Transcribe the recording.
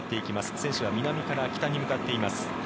選手は南から北に向かっています。